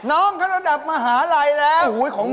น้องเขาระดับมหาลัยแล้ว